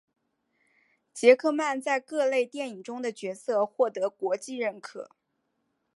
杰克曼在各类电影中的角色获得国际认可。